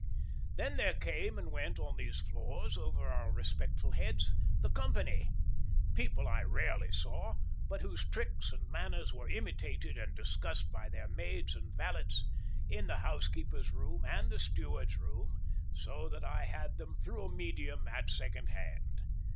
Then there came and went on these floors over our respectful heads, the Company; people I rarely saw, but whose tricks and manners were imitated and discussed by their maids and valets in the housekeeper's room and the steward's room—so that I had them through a medium at second hand.